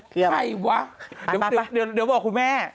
เปรชไฟวะไปวะป๊ายเดี๋ยวบอกคุณแม่